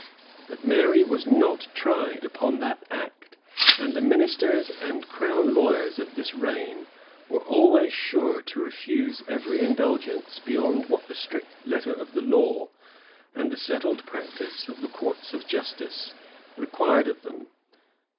But Mary was not tried upon that act; and the ministers and crown lawyers of this reign were always sure to refuse every indulgence beyond what the strict letter of the law, and the settled practice of the courts of justice, required of them.